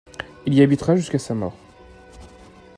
Il y habitera jusqu'à sa mort.